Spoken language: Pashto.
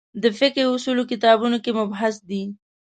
د فقهې اصولو کتابونو کې مبحث دی.